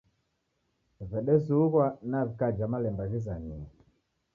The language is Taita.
W'edezughwa na w'ikaja malemba ghizamie.